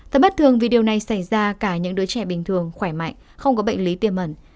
thật bất thường vì điều này xảy ra cả những đứa trẻ bình thường khỏe mạnh không có bệnh lý tiêm ẩn